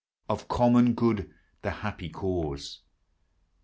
Of common good the happy cause